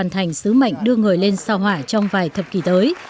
và hoàn thành sứ mệnh đưa người lên sao hỏa trong vài thập kỷ tới